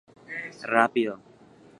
¡Pya'éke!